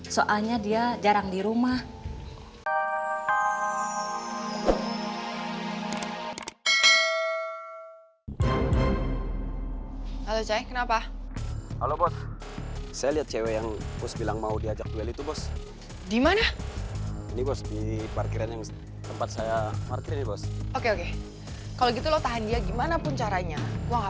soalnya dia jarang di rumah